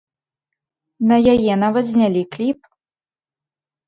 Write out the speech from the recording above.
На яе нават знялі кліп.